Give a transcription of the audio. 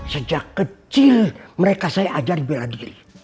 sejak kecil mereka saya ajar bela diri